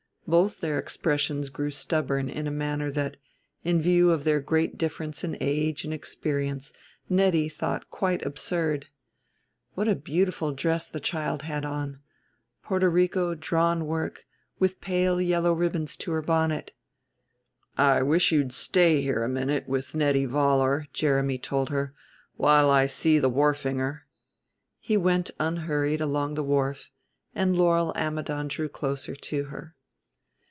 Both their expressions grew stubborn in a manner that, in view of their great difference in age and experience, Nettie thought quite absurd. What a beautiful dress the child had on Porto Rico drawn work, with pale yellow ribbons to her bonnet. "I wish you'd stay here a minute with Nettie Vollar," Jeremy told her, "while I see the wharfinger." He went unhurried along the wharf, and Laurel Ammidon drew closer to her.